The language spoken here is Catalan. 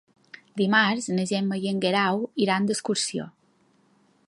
Dimarts na Gemma i en Guerau iran d'excursió.